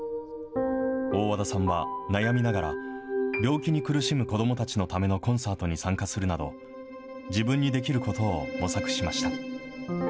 大和田さんは悩みながら、病気に苦しむ子どもたちのためのコンサートに参加するなど、自分にできることを模索しました。